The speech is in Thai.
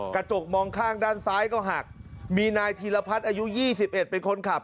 กระจกมองข้างด้านซ้ายก็หักมีนายธีรพัฒน์อายุ๒๑เป็นคนขับ